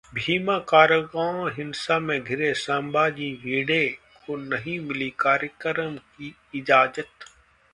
भीमा-कोरेगांव हिंसा में घिरे संभाजी भिडे को नहीं मिली कार्यक्रम की इजाजत